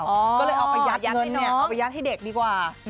ก็เลยเอาไปยัดเงินเนี่ยเอาไปยัดให้เด็กดีกว่า